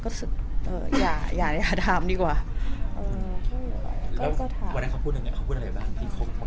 เค้าพูดอะไรอ่ะเค้าพูดอะไรแบบงานที่มาคบแล้วให้เป็นแฟน